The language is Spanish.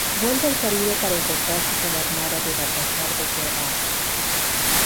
Vuelve al Caribe para encontrarse con la armada de Baltasar de Guevara.